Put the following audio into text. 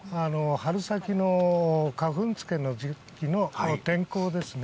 春先の花粉つけるときの天候ですね。